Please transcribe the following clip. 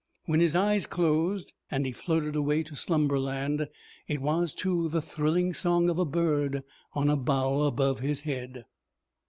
When his eyes closed and he floated away to slumberland it was to the thrilling song of a bird on a bough above his head.